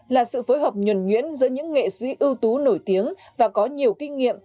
là sự phối hợp nhuẩn nhuyễn giữa những nghệ sĩ ưu tú nổi tiếng và có nhiều kinh nghiệm